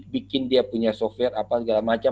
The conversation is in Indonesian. bikin dia punya software apa segala macam